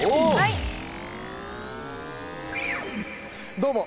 どうも。